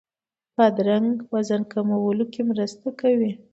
بادرنګ وزن کمولو کې مرسته کوي.